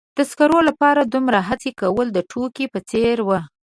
د سکرو لپاره دومره هڅې کول د ټوکې په څیر و.